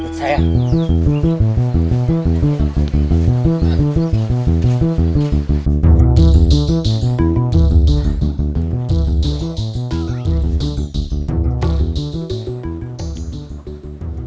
berasa menyelir african